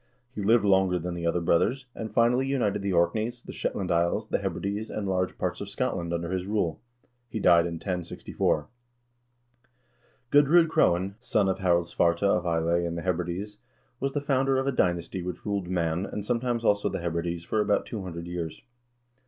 He lived longer than the other brothers, and finally united the Orkneys, the Shetland Islands, the Hebrides, and large parts of Scotland under his rule. He died in 1064. Gudr0d Crowan, son of Harald Svarte of Islay and the Hebrides, was the founder of a dynasty which ruled Man, and sometimes, also, the Hebrides for about two hundred years.